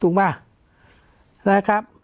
ถูกป่ะนะครับครับ